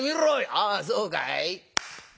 「ああそうかい」。